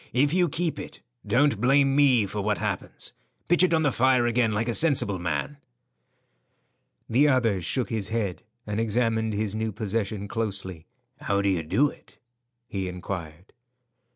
If you keep it, don't blame me for what happens. Pitch it on the fire again like a sensible man." The other shook his head and examined his new possession closely. "How do you do it?" he inquired.